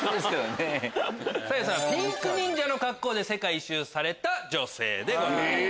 さやさんはピンク忍者の格好で世界一周された女性でございます。